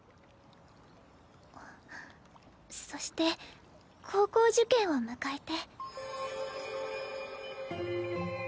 そして高校受験を迎えて。